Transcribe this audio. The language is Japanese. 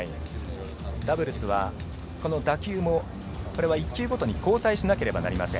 ダブルスは打球も１球ごとに交代しなければなりません。